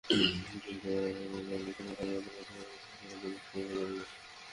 দুই পারে যাদের আত্মীয়স্বজন, তারা মাঝে মাঝে এমনটা করে, স্থানীয়রা জানালেন।